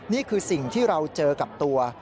นี่คือสิ่งที่เราเจอกับตัว